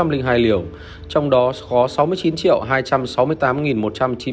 trong đó có sáu mươi chín hai trăm sáu mươi tám một trăm chín mươi tám mũi một